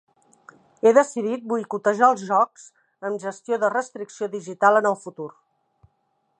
He decidit boicotejar els jocs amb gestió de restricció digital en el futur.